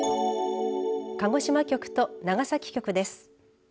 鹿児島局と長崎局です。